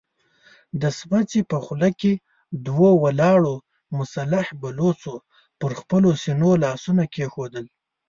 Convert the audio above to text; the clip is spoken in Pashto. د سمڅې په خوله کې دوو ولاړو مسلح بلوڅو پر خپلو سينو لاسونه کېښودل.